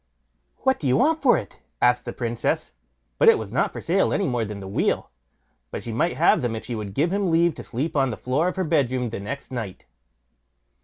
"What do you want for it?" asked the Princess; but it was not for sale any more than the wheel, but she might have them if she would give him leave to sleep on the floor of her bedroom next night.